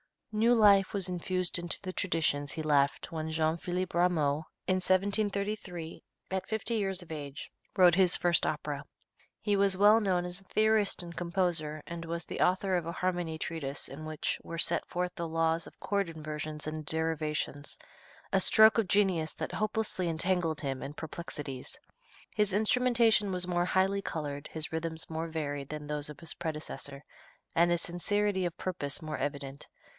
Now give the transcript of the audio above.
New life was infused into the traditions he left when Jean Philippe Rameau, in 1733, at fifty years of age, wrote his first opera. He was well known as a theorist and composer, and was the author of a harmony treatise in which were set forth the laws of chord inversions and derivations, a stroke of genius that hopelessly entangled him in perplexities. His instrumentation was more highly colored, his rhythms more varied than those of his predecessor, and his sincerity of purpose more evident.